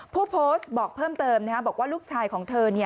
ผู้โพสต์บอกเพิ่มเติมบอกว่าลูกชายของเธอ